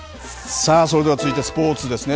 さあそれでは続いて、スポーツですね。